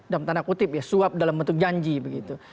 dalam tanda kutip ya suap dalam bentuk janji begitu